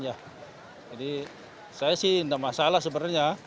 saya sih tidak masalah sebenarnya